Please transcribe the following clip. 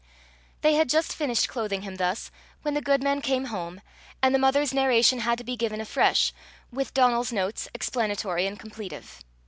They had just finished clothing him thus, when the goodman came home, and the mother's narration had to be given afresh, with Donal's notes explanatory and completive.